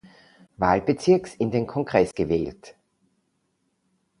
Wahlbezirks in den Kongress gewählt.